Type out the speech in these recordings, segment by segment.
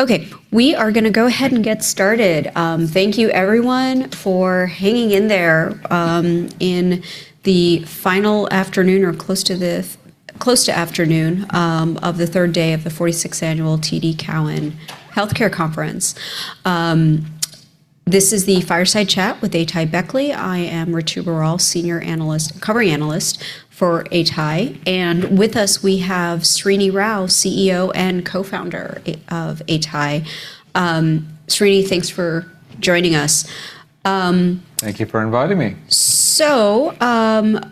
Okay. We are gonna go ahead and get started. Thank you everyone for hanging in there, in the final afternoon or close to afternoon, of the third day of the 46th Annual TD Cowen Healthcare Conference. This is the Fireside Chat with AtaiBeckley. I am Rituparna Roy, senior analyst, covering analyst for Atai. With us we have Srini Rao, CEO and co-founder of Atai. Srini, thanks for joining us. Thank you for inviting me.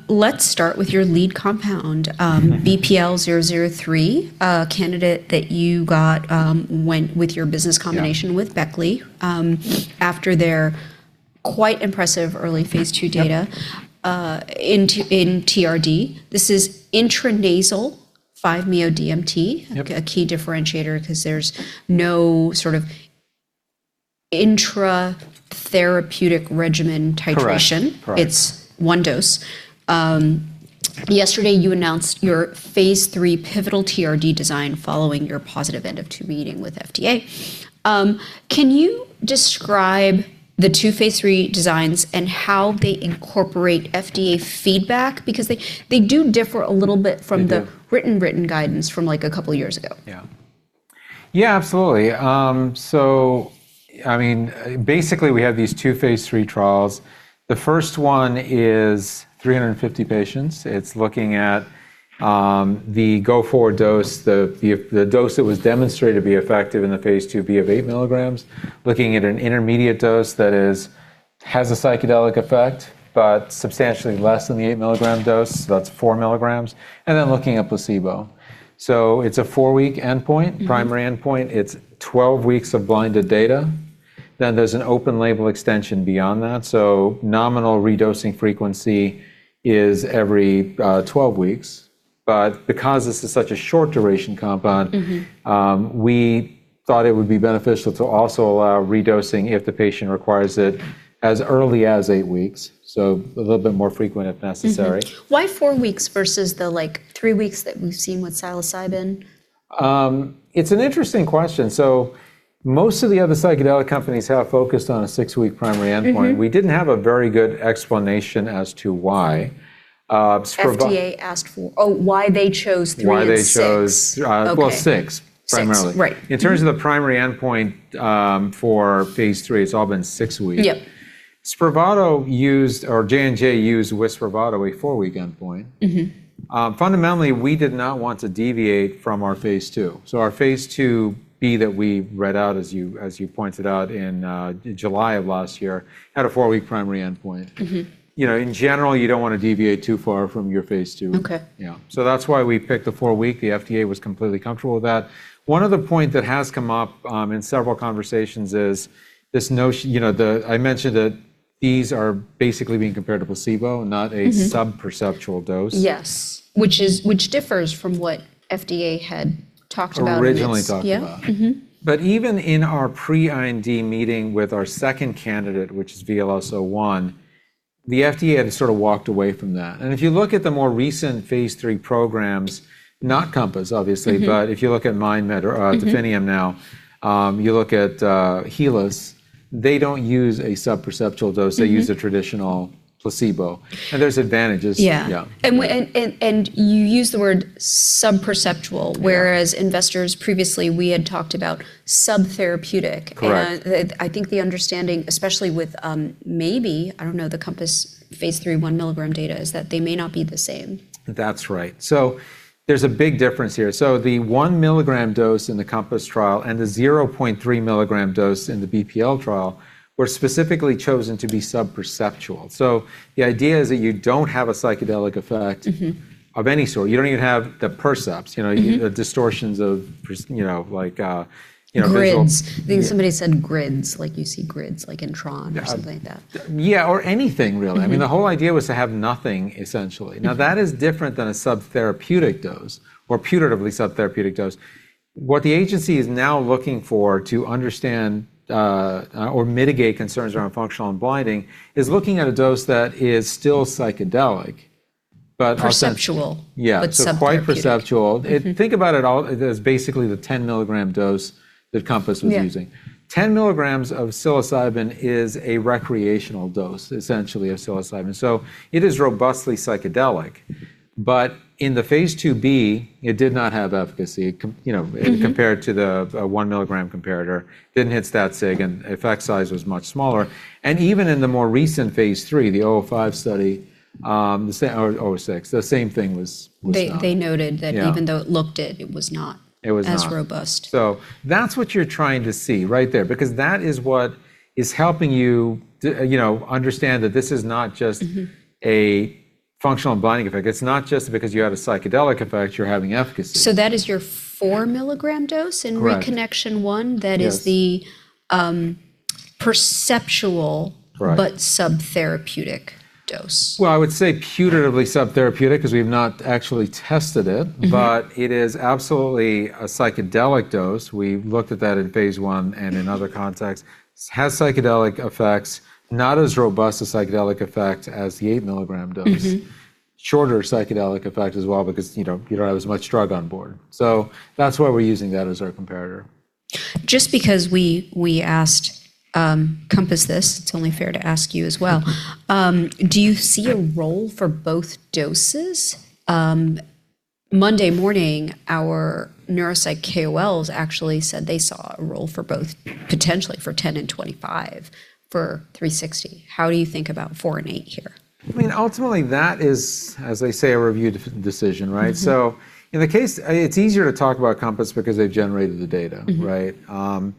Let's start with your lead compound, BPL-003, a candidate that you got, when, with your business combination. Yeah... with Beckley, after their quite impressive early phase II data, in TRD. This is intranasal 5-MeO-DMT. Okay. A key differentiator 'cause there's no sort of intra therapeutic regimen titration. Correct. Correct. It's one dose. Yesterday you announced your phase III pivotal TRD design following your positive End-of-Phase II meeting with FDA. Can you describe the two phase III designs and how they incorporate FDA feedback? They do differ a little bit from. They do. written guidance from, like, a couple years ago. Yeah. Yeah, absolutely. I mean, basically we have these two phase III trials. The first one is 350 patients. It's looking at the go forward dose, the dose that was demonstrated to be effective in the phase IIb of 8 milligrams. Looking at an intermediate dose that is, has a psychedelic effect, but substantially less than the 8 milligram dose, that's 4 milligrams. Looking at placebo. It's a four-week endpoint. Mm-hmm. Primary endpoint, it's 12 weeks of blinded data. There's an open label extension beyond that, so nominal redosing frequency is every 12 weeks. Because this is such a short duration compound- Mm-hmm We thought it would be beneficial to also allow redosing if the patient requires it as early as eight weeks, so a little bit more frequent if necessary. Mm-hmm. Why four weeks versus the, like, three weeks that we've seen with psilocybin? It's an interesting question. Most of the other psychedelic companies have focus on a six week primary endpoint. Mm-hmm. We didn't have a very good explanation as to why. Oh, why they chose three and six. Why they chose... Okay... well, six primarily. Six, right. In terms of the primary endpoint, for Phase III, it's all been six weeks. Yep. Spravato used, or J&J used with Spravato, a four-week endpoint. Mm-hmm. Fundamentally, we did not want to deviate from our Phase II. Our Phase IIb that we read out, as you, as you pointed out in July of last year, had a four-week primary endpoint. Mm-hmm. You know, in general, you don't want to deviate too far from your phase II. Okay. Yeah. That's why we picked the four-week. The FDA was completely comfortable with that. One other point that has come up in several conversations is this you know, the, I mentioned that these are basically being compared to placebo. Mm-hmm not a sub-perceptual dose. Yes. Which is, which differs from what FDA had talked about in mix. Originally talked about. Yeah. Mm-hmm. Even in our pre-IND meeting with our second candidate, which is VLS-01, the FDA had sort of walked away from that. If you look at the more recent phase III programs, not Compass obviously. Mm-hmm If you look at MindMed or, Definium now, you look at, Healas, they don't use a sub-perceptual dose. Mm-hmm. They use a traditional placebo. There's advantages. Yeah. Yeah. You used the word sub-perceptual. Yeah. Investors previously we had talked about sub-therapeutic. Correct. I, the, I think the understanding, especially with, maybe, I don't know, the Compass Phase III 1 milligram data, is that they may not be the same. That's right. There's a big difference here. The 1 milligram dose in the Compass trial and the 0.3 milligram dose in the BPL trial were specifically chosen to be sub-perceptual. The idea is that you don't have a psychedelic effect- Mm-hmm of any sort. You don't even have the percepts, you know. Mm-hmm. You know, distortions of pers- you know, like, you know, visual-. Grids. Yeah. I think somebody said grids, like you see grids like in Tron or something like that. Yeah, or anything really. Mm-hmm. I mean, the whole idea was to have nothing, essentially. Mm-hmm. Now, that is different than a sub-therapeutic dose or putatively sub-therapeutic dose. What the agency is now looking for to understand, or mitigate concerns around functional unblinding, is looking at a dose that is still psychedelic, but. Perceptual. Yeah. sub-therapeutic. quite perceptual. Mm-hmm. Think about it all as basically the 10 mg dose that Compass was using. Yeah. 10 milligrams of psilocybin is a recreational dose, essentially, of psilocybin, so it is robustly psychedelic. In the phas IIb, it did not have efficacy, you know. Mm-hmm... compared to the 1 mg comparator. Didn't hit stat sig and effect size was much smaller. Even in the more recent phase III, the COMP005 study, or 006, the same thing was found. They noted that. Yeah even though it looked it was not- It was not.... as robust. That's what you're trying to see right there, because that is what is helping you to, you know, understand that this is not. Mm-hmm a functional unblinding effect. It's not just because you have a psychedelic effect, you're having efficacy. That is your 4 milligram dose in ReConnection 1? Correct. Yes. That is the, um, perceptual- Right... but sub-therapeutic dose. Well, I would say putatively sub-therapeutic 'cause we've not actually tested it. Mm-hmm. It is absolutely a psychedelic dose. We looked at that in phase I and in other contexts. Has psychedelic effects, not as robust a psychedelic effect as the eight milligram dose. Mm-hmm Shorter psychedelic effect as well because, you know, you don't have as much drug on board. That's why we're using that as our comparator. Just because we asked, Compass this, it's only fair to ask you as well. Do you see a role for both doses? Monday morning, our neuropsych KOLs actually said they saw a role for both potentially for 10 and 25 for 360. How do you think about four and eight here? I mean, ultimately that is, as they say, a review decision, right? Mm-hmm. It's easier to talk about Compass because they've generated the data. Mm-hmm. Right?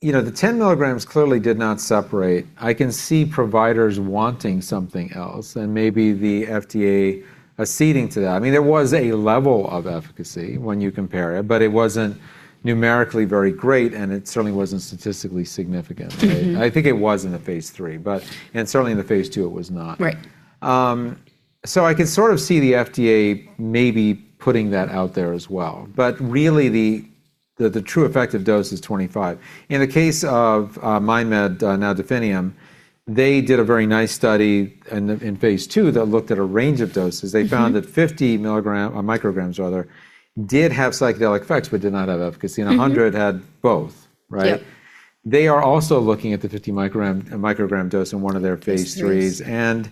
You know, the 10 milligrams clearly did not separate. I can see providers wanting something else and maybe the FDA acceding to that. I mean, there was a level of efficacy when you compare it, but it wasn't numerically very great, and it certainly wasn't statistically significant, right? Mm-hmm. I think it was in the phase III, but... certainly in the phase II it was not. Right. I can sort of see the FDA maybe putting that out there as well. Really the true effective dose is 25. In the case of MindMed, now Definium, they did a very nice study in phase II that looked at a range of doses. Mm-hmm. They found that 50 micrograms rather, did have psychedelic effects, but did not have efficacy. Mm-hmm. 100 had both, right? Yeah. They are also looking at the 50 microgram dose in one of their phase IIIs. phase III.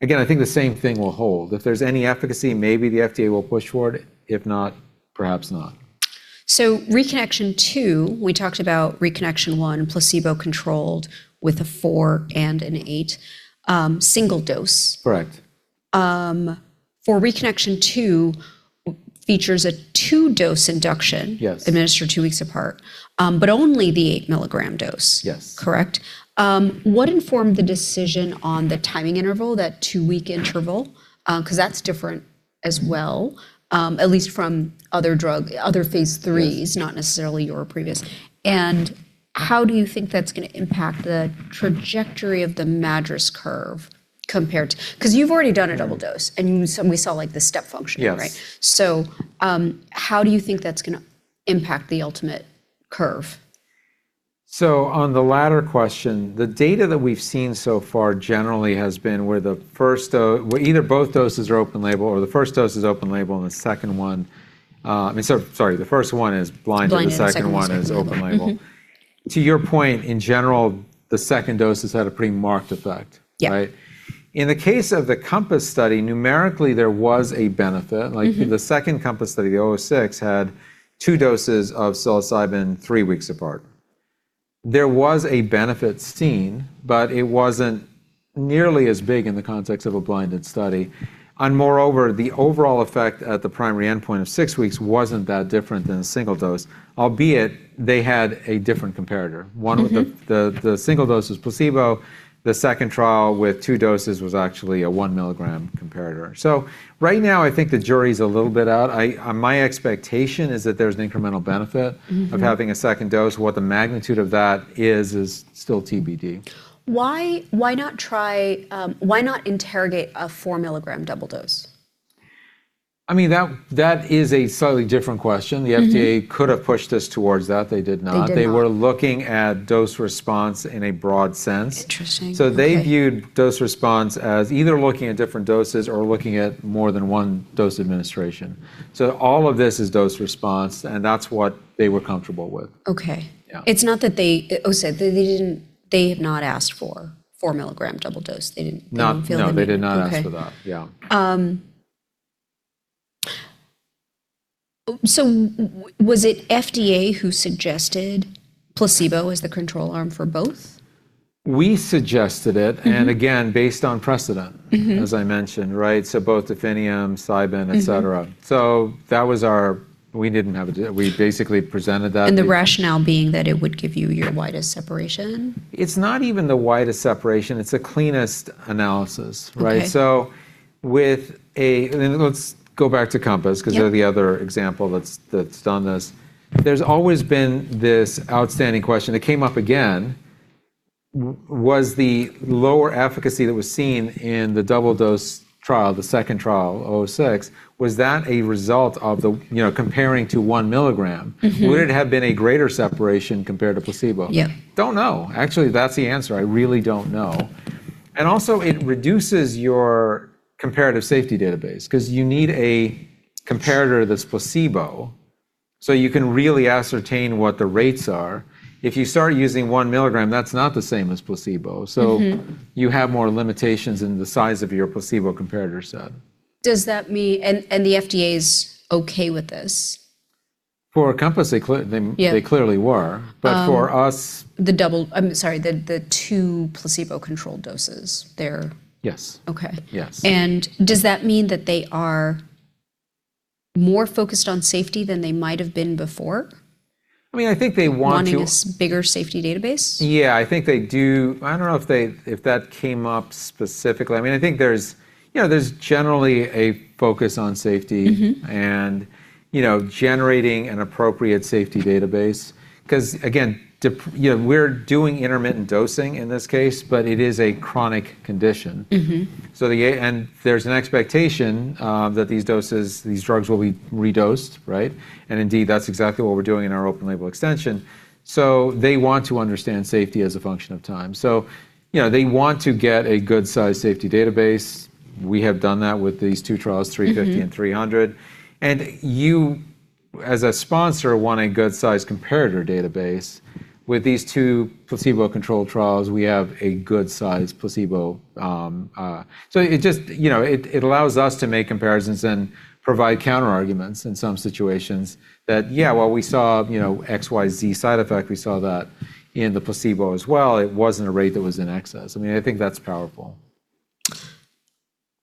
Again, I think the same thing will hold. If there's any efficacy, maybe the FDA will push for it. If not, perhaps not. ReConnection 2, we talked about ReConnection 1, placebo-controlled with a four and an eight, single dose. Correct. For ReConnection 2 features a two-dose induction. Yes... administered two weeks apart, but only the 8-milligram dose. Yes. Correct? What informed the decision on the timing interval, that two-week interval? 'Cause that's different as well, at least from other Phase IIIs... Yes... not necessarily your previous. How do you think that's gonna impact the trajectory of the MADRS curve compared to... 'Cause you've already done a double dose, and you... so we saw like the step function, right? Yes. How do you think that's gonna impact the ultimate curve? On the latter question, the data that we've seen so far generally has been where either both doses are open label or the first dose is open label and the second one, I mean, sorry, the first one is blinded. Blinded... the second one is open label. Mm-hmm. To your point, in general, the second dose has had a pretty marked effect, right? Yeah. In the case of the Compass study, numerically there was a benefit. Mm-hmm. Like the second Compass study, the COMP006, had two doses of psilocybin three weeks apart. There was a benefit seen, but it wasn't nearly as big in the context of a blinded study. Moreover, the overall effect at the primary endpoint of six weeks wasn't that different than a single dose, albeit they had a different comparator. Mm-hmm. One with the single dose was placebo. The second trial with two doses was actually a 1-milligram comparator. Right now I think the jury's a little bit out. I, my expectation is that there's an incremental benefit. Mm-hmm of having a second dose. What the magnitude of that is still TBD. Why not try, why not interrogate a 4-milligram double dose? I mean, that is a slightly different question. Mm-hmm. The FDA could have pushed us towards that. They did not. They did not. They were looking at dose response in a broad sense. Interesting. Okay. They viewed dose response as either looking at different doses or looking at more than one dose administration. All of this is dose response, and that's what they were comfortable with. Okay. Yeah. It's not that they have not asked for 4 milligram double dose. They didn't feel the need. No, no, they did not ask for that. Okay. Yeah. Was it FDA who suggested placebo as the control arm for both? We suggested it. Mm-hmm. again, based on precedent-. Mm-hmm... as I mentioned, right? Both Definium, Cybin, et cetera. Mm-hmm. That was our... We didn't have a de... We basically presented that. The rationale being that it would give you your widest separation? It's not even the widest separation, it's the cleanest analysis, right? Okay. Let's go back to Compass. Yep 'Cause they're the other example that's done this. There's always been this outstanding question. It came up again. Was the lower efficacy that was seen in the double dose trial, the second trial, COMP006, was that a result of the, you know, comparing to 1 milligram? Mm-hmm. Would it have been a greater separation compared to placebo? Yeah. Don't know. Actually, that's the answer. I really don't know. Also it reduces your comparative safety database, because you need a comparator that's placebo, so you can really ascertain what the rates are. If you start using 1 milligram, that's not the same as placebo. Mm-hmm. You have more limitations in the size of your placebo comparator set. Does that mean... The FDA's okay with this? For Compass, they. Yeah... they clearly were. Um- But for us- I'm sorry, the two placebo-controlled doses. Yes. Okay. Yes. Does that mean that they are more focused on safety than they might have been before? I mean, I think they want... Wanting a bigger safety database? Yeah, I think they do. I don't know if that came up specifically. I mean, I think there's, you know, generally a focus on safety- Mm-hmm... and, you know, generating an appropriate safety database. 'Cause again, you know, we're doing intermittent dosing in this case, but it is a chronic condition. Mm-hmm. There's an expectation that these doses, these drugs will be redosed, right? Indeed, that's exactly what we're doing in our open label extension. They want to understand safety as a function of time. You know, they want to get a good size safety database. We have done that with these two trials. Mm-hmm... 350 and 300. As a sponsor, want a good size comparator database. With these two placebo-controlled trials, we have a good size placebo. It just, you know, it allows us to make comparisons and provide counterarguments in some situations that, yeah, well, we saw, you know, XYZ side effect. We saw that in the placebo as well. It wasn't a rate that was in excess. I mean, I think that's powerful.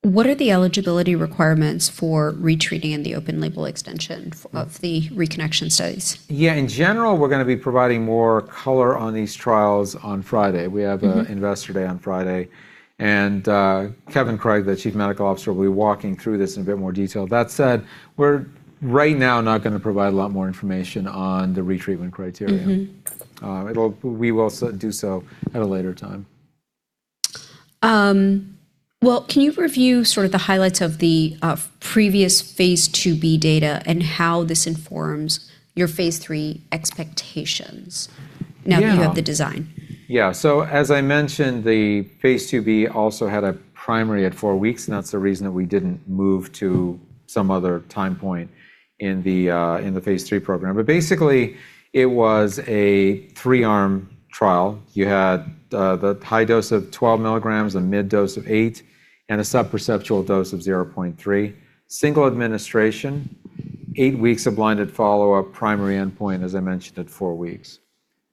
What are the eligibility requirements for retreating in the open-label extension of the reconnection studies? Yeah, in general, we're gonna be providing more color on these trials on Friday. Mm-hmm. We have Investor Day on Friday. Kevin Craig, the Chief Medical Officer, will be walking through this in a bit more detail. That said, we're right now not gonna provide a lot more information on the retreatment criteria. Mm-hmm. We will do so at a later time. Can you review sort of the highlights of the previous Phase IIb data and how this informs your Phase III expectations? Yeah now that you have the design? As I mentioned, the phase IIb also had a primary at four weeks, and that's the reason that we didn't move to some other time point in the phase III program. Basically, it was a three-arm trial. You had the high dose of 12 milligrams, a mid dose of eight, and a sub-perceptual dose of 0.3. Single administration, eight weeks of blinded follow-up, primary endpoint, as I mentioned, at four weeks.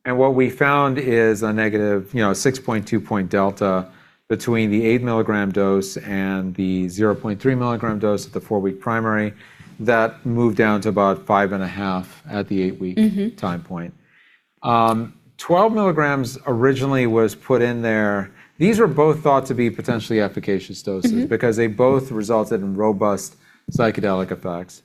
What we found is a negative, you know, 6.2 point delta between the 8 milligram dose and the 0.3 milligram dose at the four-week primary that moved down to about 5.5 at the eight-week. Mm-hmm... time point. 12 milligrams originally was put in there. These were both thought to be potentially efficacious doses. Mm-hmm because they both resulted in robust psychedelic effects.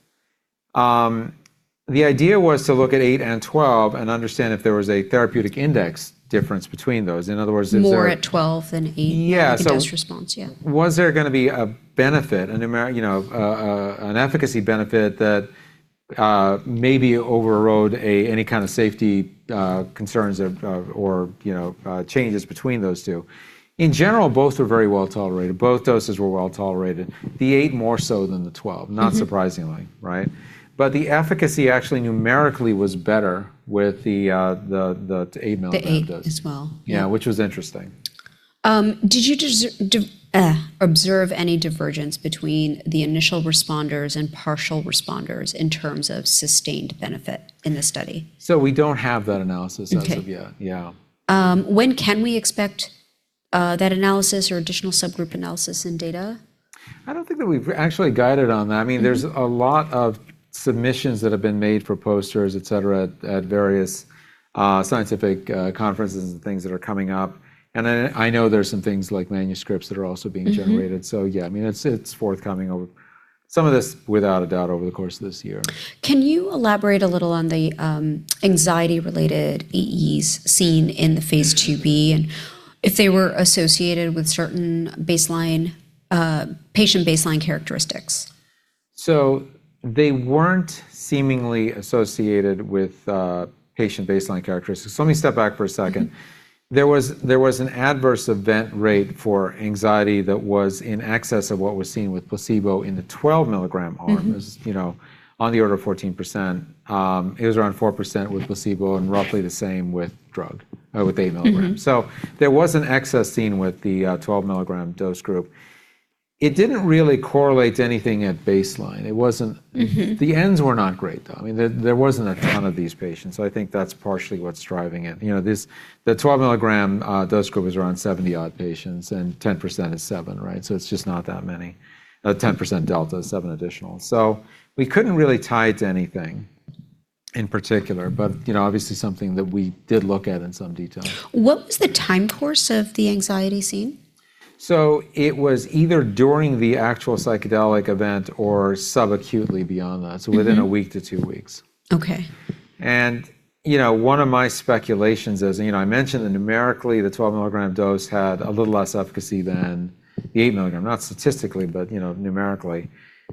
The idea was to look at eight and 12 and understand if there was a therapeutic index difference between those. In other words. More at 12 than eight. Yeah. the dose response, yeah. Was there gonna be a benefit, you know, an efficacy benefit that maybe overrode any kind of safety concerns or, you know, changes between those two? In general, both were very well-tolerated. Both doses were well-tolerated. The eight more so than the 1-. Mm-hmm not surprisingly, right? The efficacy actually numerically was better with the 8 milligram dose. The eight as well. Yeah. Yeah, which was interesting. Did you observe any divergence between the initial responders and partial responders in terms of sustained benefit in the study? We don't have that analysis as of yet. Okay. Yeah. When can we expect that analysis or additional subgroup analysis in data? I don't think that we've actually guided on that. I mean, there's a lot of submissions that have been made for posters, et cetera, at various, scientific, conferences and things that are coming up. Then I know there's some things like manuscripts that are also being generated. Mm-hmm. Yeah, I mean, it's forthcoming over some of this, without a doubt, over the course of this year. Can you elaborate a little on the anxiety-related AEs seen in the Phase IIb, and if they were associated with certain patient baseline characteristics? They weren't seemingly associated with patient baseline characteristics. Let me step back for a second. Mm-hmm. There was an adverse event rate for anxiety that was in excess of what was seen with placebo in the 12 milligram arm. Mm-hmm. As you know, on the order of 14%. It was around 4% with placebo and roughly the same with drug, with 8 milligrams. Mm-hmm. There was an excess seen with the 12 milligram dose group. It didn't really correlate to anything at baseline. Mm-hmm. The Ns were not great, though. I mean, there wasn't a ton of these patients, I think that's partially what's driving it. You know, this, the 12 milligram dose group was around 70-odd patients, and 10% is seven, right? It's just not that many. 10% delta is seven additional. We couldn't really tie it to anything in particular, but you know, obviously something that we did look at in some detail. What was the time course of the anxiety seen? It was either during the actual psychedelic event or subacutely beyond that. Mm-hmm. Within a week to two weeks. Okay. You know, one of my speculations is, you know, I mentioned that numerically, the 12 milligram dose had a little less efficacy than the 8 milligram. Not statistically, but you know, numerically.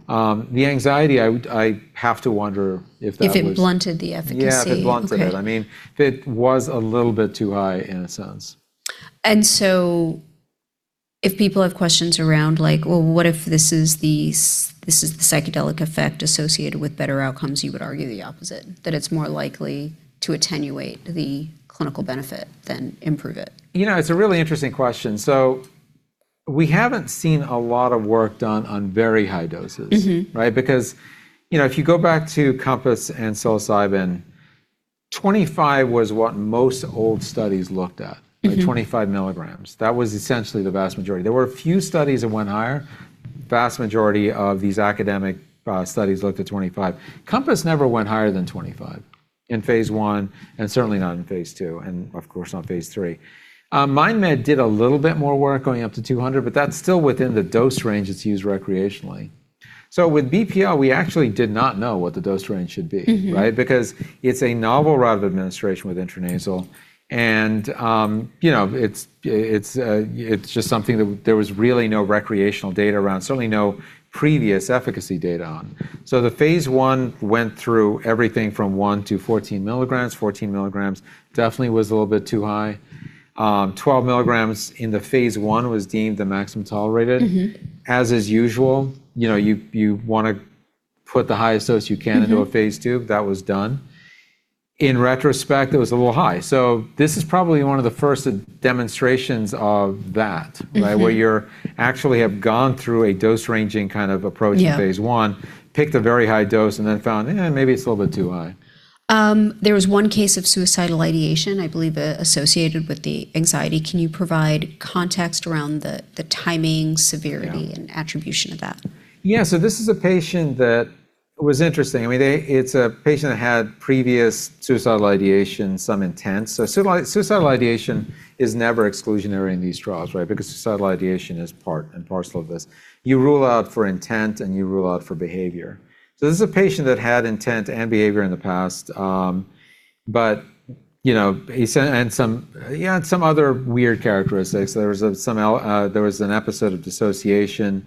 The anxiety, I have to wonder if that was. If it blunted the efficacy. Yeah, if it blunted it. Okay. I mean, if it was a little bit too high in a sense. If people have questions around like, well, what if this is the psychedelic effect associated with better outcomes, you would argue the opposite, that it's more likely to attenuate the clinical benefit than improve it. You know, it's a really interesting question. We haven't seen a lot of work done on very high doses. Mm-hmm. Right? Because, you know, if you go back to Compass and psilocybin, 25 was what most old studies looked at. Mm-hmm. Like 25 milligrams. That was essentially the vast majority. There were a few studies that went higher. Vast majority of these academic studies looked at 25. Compass never went higher than 25 in phase I, and certainly not in phase II, and of course, not in phase III. MindMed did a little bit more work going up to 200, but that's still within the dose range that's used recreationally. With BPL-003, we actually did not know what the dose range should be. Mm-hmm. Right? Because it's a novel route of administration with intranasal, and, you know, it's, it's just something that there was really no recreational data around, certainly no previous efficacy data on. The phase I went through everything from one to 14 milligrams. 14 milligrams definitely was a little bit too high. 12 milligrams in the phase I was deemed the maximum tolerated. Mm-hmm. As is usual, you know, you wanna put the highest dose you can into a phase II. That was done. In retrospect, it was a little high. This is probably one of the first demonstrations of that, right? Mm-hmm. Where you're actually have gone through a dose ranging kind of approach. Yeah in phase I, picked a very high dose, and then found, eh, maybe it's a little bit too high. There was one case of suicidal ideation, I believe associated with the anxiety. Can you provide context around the timing, severity... Yeah... and attribution of that? Yeah. This is a patient that was interesting. I mean, it's a patient that had previous suicidal ideation, some intent. Suicidal ideation is never exclusionary in these trials, right? Because suicidal ideation is part and parcel of this. You rule out for intent and you rule out for behavior. This is a patient that had intent and behavior in the past, you know, and some, he had some other weird characteristics. There was an episode of dissociation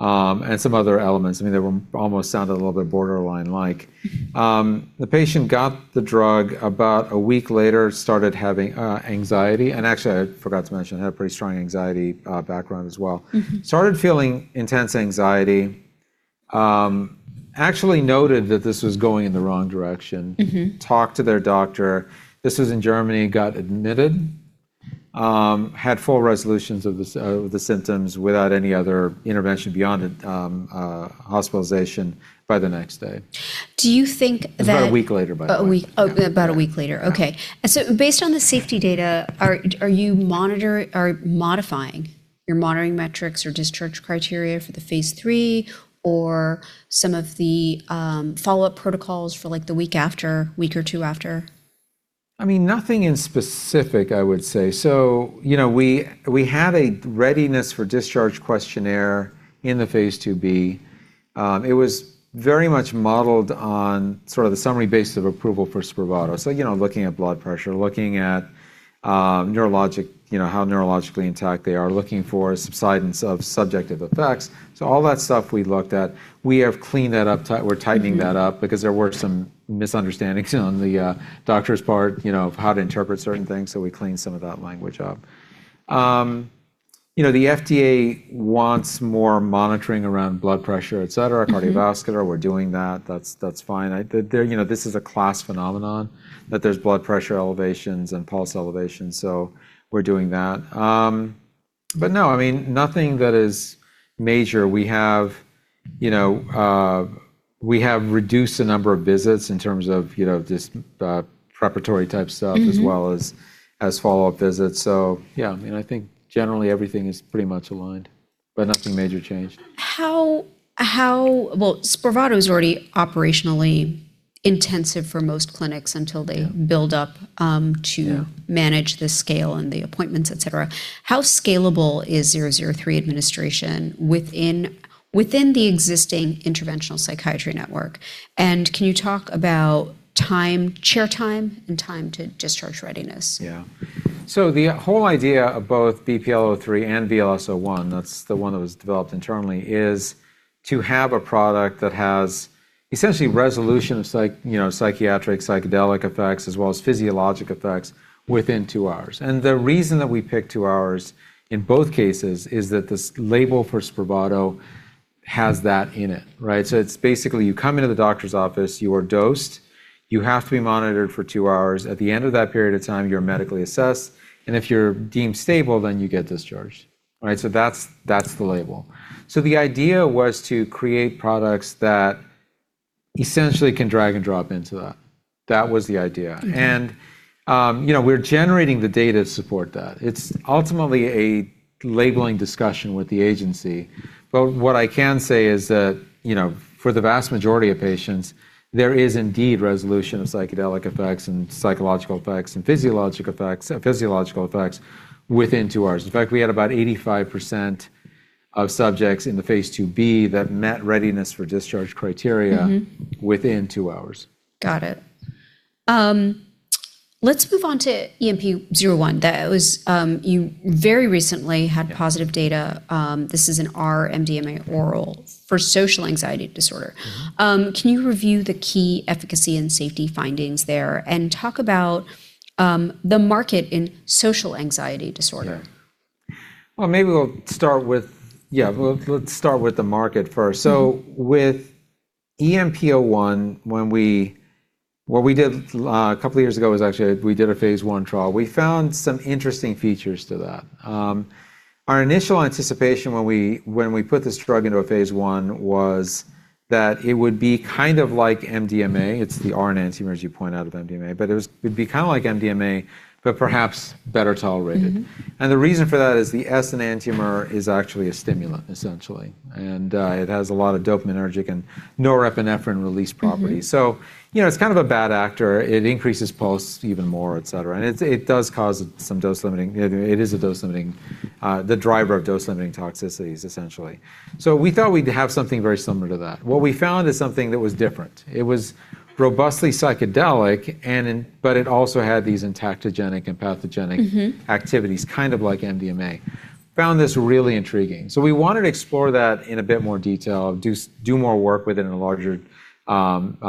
and some other elements. I mean, they were, almost sounded a little bit borderline like. The patient got the drug. About a week later, started having anxiety, and actually I forgot to mention, had a pretty strong anxiety background as well. Mm-hmm. Started feeling intense anxiety. Actually noted that this was going in the wrong direction. Mm-hmm. Talked to their doctor. This was in Germany. Got admitted. Had full resolutions of the symptoms without any other intervention beyond a hospitalization by the next day. Do you think? About a week later, by the way. A week. Oh, about a week later. Yeah. Okay. based on the safety data, are you modifying your monitoring metrics or discharge criteria for the Phase III, or some of the follow-up protocols for like the week or two after? I mean, nothing in specific, I would say. You know, we have a readiness for discharge questionnaire in the Phase IIb. It was very much modeled on sort of the Summary Basis of Approval for Spravato. You know, looking at blood pressure, looking at neurologic, you know, how neurologically intact they are, looking for subsidence of subjective effects. All that stuff we looked at. We have cleaned that up, we're tightening that up because there were some misunderstandings on the doctor's part, you know, of how to interpret certain things, so we cleaned some of that language up. You know, the FDA wants more monitoring around blood pressure, et cetera. Mm-hmm. Cardiovascular. We're doing that. That's fine. There, you know, this is a class phenomenon, that there's blood pressure elevations and pulse elevations. We're doing that. No, I mean, nothing that is major. We have, you know, we have reduced the number of visits in terms of, you know, just preparatory type stuff. Mm-hmm... as well as follow-up visits. Yeah. I mean, I think generally everything is pretty much aligned. Nothing major changed. How, well, Spravato is already operationally intensive for most clinics. Yeah... build up. Yeah... manage the scale and the appointments, et cetera. How scalable is BPL-003 administration within the existing interventional psychiatry network, and can you talk about time, chair time and time to discharge readiness? Yeah. The whole idea of both BPL-003 and VLS-01, that's the one that was developed internally, is to have a product that has essentially resolution of psychiatric, psychedelic effects as well as physiologic effects within two hours. The reason that we pick two hours in both cases is that this label for Spravato has that in it, right? It's basically you come into the doctor's office, you are dosed, you have to be monitored for two hours. At the end of that period of time, you're medically assessed, and if you're deemed stable, then you get discharged. Right? That's the label. The idea was to create products that essentially can drag and drop into that. That was the idea. Mm-hmm. You know, we're generating the data to support that. It's ultimately a labeling discussion with the agency. what I can say is that, you know, for the vast majority of patients, there is indeed resolution of psychedelic effects and psychological effects and physiological effects within 2 hours. In fact, we had about 85% of subjects in the Phase IIb that met readiness for discharge criteria. Mm-hmm... within two hours. Got it. Let's move on to EMP-01. That was, you very recently had positive data. This is an R-MDMA. Mm-hmm... for social anxiety disorder. Mm-hmm. Can you review the key efficacy and safety findings there and talk about the market in social anxiety disorder? Yeah. Well, Yeah, we'll start with the market first. Mm-hmm. With EMP-01, when we did a couple of years ago was actually we did a phase I trial. We found some interesting features to that. Our initial anticipation when we put this drug into a phase I was that it would be kind of like MDMA. It's the R-enantiomer, as you point out, of MDMA, but it'd be kind of like MDMA, but perhaps better tolerated. Mm-hmm. The reason for that is the S-enantiomer is actually a stimulant, essentially. It has a lot of dopaminergic and norepinephrine release properties. Mm-hmm. You know, it's kind of a bad actor. It increases pulse even more, et cetera. It does cause some dose limiting. It is a dose limiting, the driver of dose limiting toxicities, essentially. We thought we'd have something very similar to that. What we found is something that was different. It was robustly psychedelic but it also had these entactogenic. Mm-hmm... activities, kind of like MDMA. Found this really intriguing. We wanted to explore that in a bit more detail. Do more work with it in a larger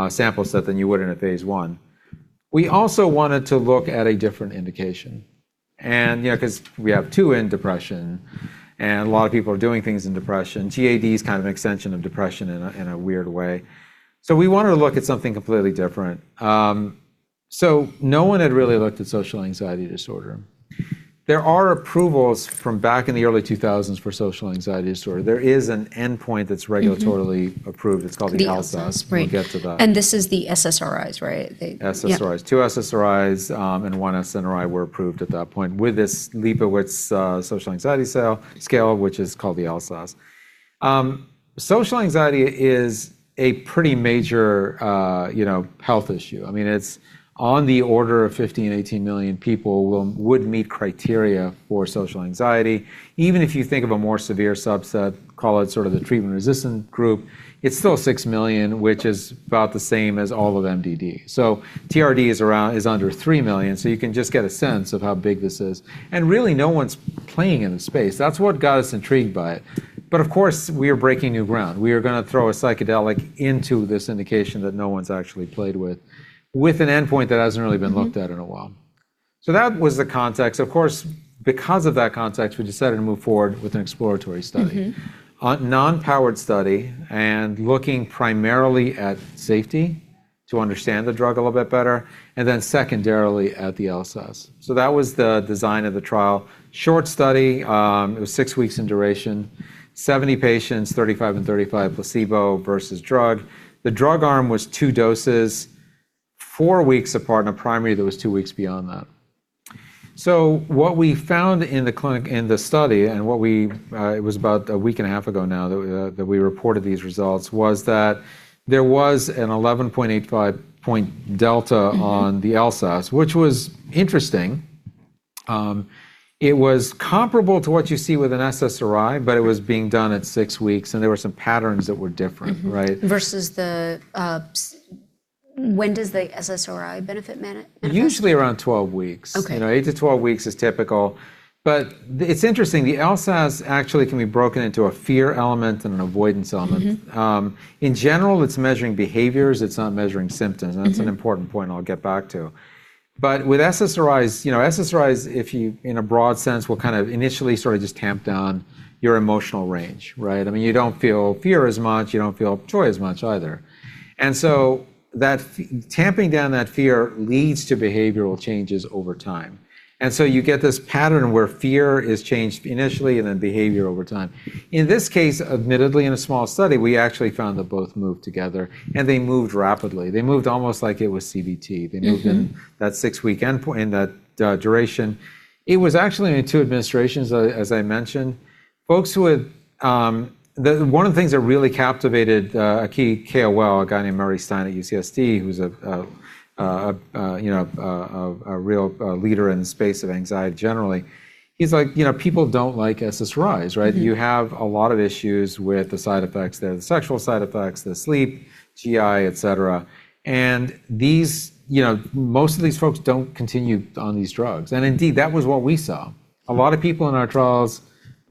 sample set than you would in a phase I. We also wanted to look at a different indication. You know, 'cause we have two in depression, and a lot of people are doing things in depression. GAD is kind of an extension of depression in a, in a weird way. We wanted to look at something completely different. No one had really looked at social anxiety disorder. There are approvals from back in the early 2000s for social anxiety disorder. There is an endpoint that's regulatorily- Mm-hmm approved. It's called the LSAS. The LSAS, right. We'll get to that. This is the SSRIs, right? SSRIs. Yeah. Two SSRIs and one SNRI were approved at that point with this Liebowitz social anxiety scale, which is called the LSAS. Social anxiety is a pretty major, you know, health issue. I mean, it's on the order of 15-18 million people would meet criteria for social anxiety. Even if you think of a more severe subset, call it sort of the treatment resistant group, it's still 6 million, which is about the same as all of MDD. TRD is under 3 million, so you can just get a sense of how big this is, and really no one's playing in the space. That's what got us intrigued by it. Of course, we are breaking new ground. We are gonna throw a psychedelic into this indication that no one's actually played with an endpoint that hasn't really been looked at in a while. Mm-hmm. That was the context. Of course, because of that context, we decided to move forward with an exploratory study. Mm-hmm. Looking primarily at safety to understand the drug a little bit better, then secondarily at the LSAS. That was the design of the trial. Short study, it was six weeks in duration. 70 patients, 35 and 35 placebo versus drug. The drug arm was two doses four weeks apart, and a primary that was two weeks beyond that. What we found in the clinic in the study, and what we, it was about a week and a half ago now that we reported these results, was that there was an 11.85 point delta on the LSAS, which was interesting. It was comparable to what you see with an SSRI, but it was being done at six weeks, and there were some patterns that were different, right? Mm-hmm. Versus the, when does the SSRI benefit manifest? Usually around 12 weeks. Okay. You know, eight to 12 weeks is typical, but it's interesting. The LSAS actually can be broken into a fear element and an avoidance element. Mm-hmm. In general, it's measuring behaviors. It's not measuring symptoms. Mm-hmm. That's an important point I'll get back to. With SSRIs, you know, SSRIs, if you, in a broad sense, will kind of initially sort of just tamp down your emotional range, right? I mean, you don't feel fear as much, you don't feel joy as much either. That tamping down that fear leads to behavioral changes over time. You get this pattern where fear is changed initially and then behavior over time. In this case, admittedly in a small study, we actually found that both moved together and they moved rapidly. They moved almost like it was CBT. Mm-hmm. They moved in that six-week endpoint, in that duration. It was actually only two administrations, as I mentioned. Folks who had. The one of the things that really captivated a key KOL, a guy named Murray Stein at UC San Diego, who's a, you know, a real leader in the space of anxiety generally. He's like, "You know, people don't like SSRIs, right? Mm-hmm. You have a lot of issues with the side effects. There are the sexual side effects, the sleep, GI, et cetera. You know, most of these folks don't continue on these drugs, and indeed, that was what we saw. A lot of people in our trials,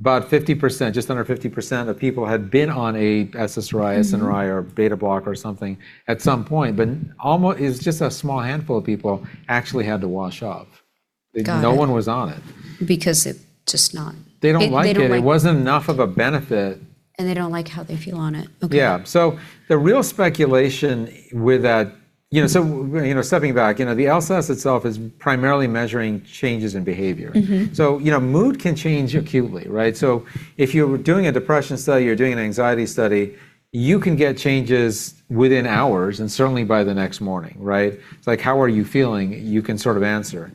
about 50%, just under 50% of people had been on a SSRI, SNRI. Mm-hmm... or a beta blocker or something at some point. It was just a small handful of people actually had to wash off. Got it. No one was on it. Because it's just not- They don't like it. They don't like it. It wasn't enough of a benefit. They don't like how they feel on it. Okay. Yeah. The real speculation with that, you know. You know, stepping back, you know, the LSAS itself is primarily measuring changes in behavior. Mm-hmm. You know, mood can change acutely, right? If you're doing a depression study or you're doing an anxiety study, you can get changes within hours and certainly by the next morning, right? It's like, how are you feeling? You can sort of answer.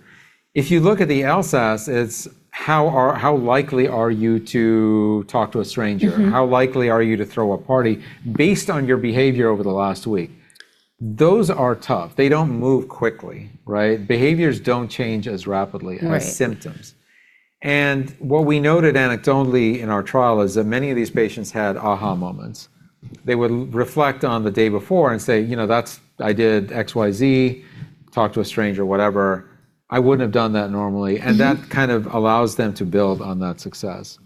If you look at the LSAS, it's how likely are you to talk to a stranger? Mm-hmm. How likely are you to throw a party based on your behavior over the last week? Those are tough. They don't move quickly, right? Behaviors don't change as rapidly as symptoms. Right. What we noted anecdotally in our trial is that many of these patients had aha moments. They would reflect on the day before and say, "You know, that's... I did XYZ, talked to a stranger, whatever. I wouldn't have done that normally. Mm-hmm. That kind of allows them to build on that success.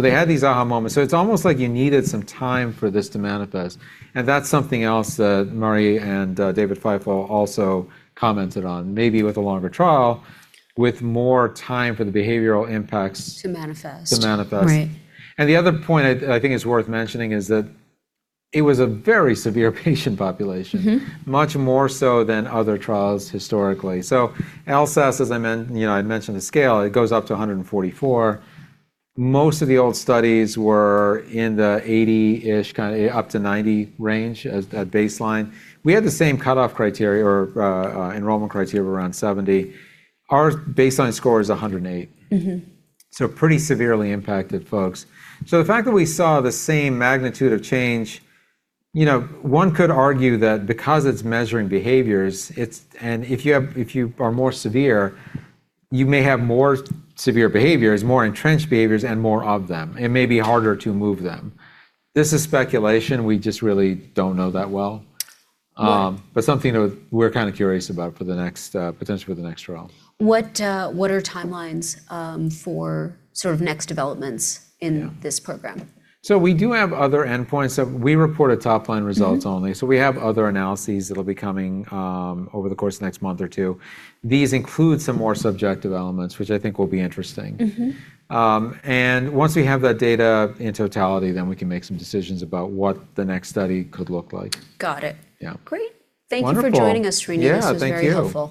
They had these aha moments. It's almost like you needed some time for this to manifest, that's something else that Murray and David Feifel also commented on. Maybe with a longer trial with more time for the behavioral impacts. To manifest... to manifest. Right. The other point I think is worth mentioning is that it was a very severe patient population. Mm-hmm. Much more so than other trials historically. LSAS, as you know, I mentioned the scale. It goes up to 144. Most of the old studies were in the 80-ish, kind of up to 90 range at baseline. We had the same cutoff criteria or enrollment criteria of around 70. Our baseline score is 108. Mm-hmm. Pretty severely impacted folks. The fact that we saw the same magnitude of change, you know, one could argue that because it's measuring behaviors, and if you are more severe, you may have more severe behaviors, more entrenched behaviors, and more of them. It may be harder to move them. This is speculation. We just really don't know that well. Right. Something that we're kind of curious about for the next, potentially for the next trial. What are timelines, for sort of next developments in this program? Yeah. We do have other endpoints. We report a top line results only. Mm-hmm. We have other analyses that'll be coming, over the course of the next month or two. These include some more subjective elements, which I think will be interesting. Mm-hmm. Once we have that data in totality, then we can make some decisions about what the next study could look like. Got it. Yeah. Great. Wonderful. Thank you for joining us, Srinu. Yeah. Thank you. This was very helpful.